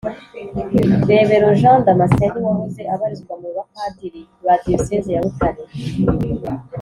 rebero jean damascène wahoze abarizwa mu bapadiri ba diyoseze ya butare